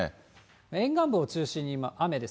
沿岸部を中心に今、雨です。